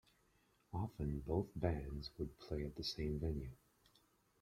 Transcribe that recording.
Often, both bands would play at the same venue.